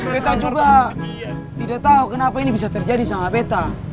peta juga tidak tahu kenapa ini bisa terjadi sama peta